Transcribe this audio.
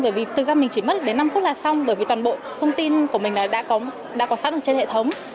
bởi vì thực ra mình chỉ mất đến năm phút là xong bởi vì toàn bộ thông tin của mình đã có sẵn được trên hệ thống